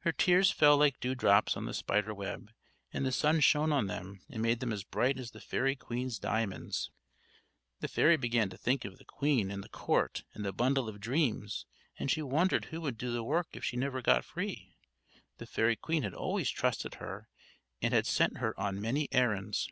Her tears fell like dew drops on the spider web, and the sun shone on them, and made them as bright as the fairy queen's diamonds. The fairy began to think of the queen and the court, and the bundle of dreams; and she wondered who would do the work if she never got free. The fairy queen had always trusted her, and had sent her on many errands.